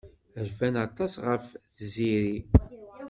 Rfan aṭas ɣef Tiziri.